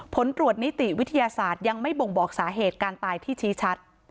ผลตรวจนิติวิทยาศาสตร์ยังไม่บ่งบอกสาเหตุการตายที่ชี้ชัด